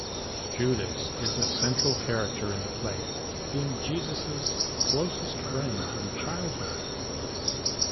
Judas is a central character in the play, being Jesus' closest friend from childhood.